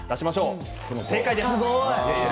正解です。